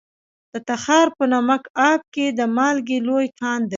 د تخار په نمک اب کې د مالګې لوی کان دی.